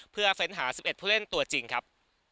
เพื่อเฟ้นหา๑๑ผู้เล่นตัวจริงครับ